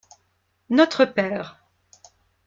Notre père.